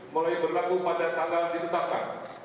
mulai berlaku pada tanggal ditetapkan